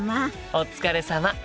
お疲れさま！